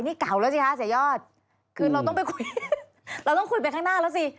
นี่เก่าแล้วสิคะเสียยอดคือเราต้องไปคุยเราต้องคุยไปข้างหน้าแล้วสิ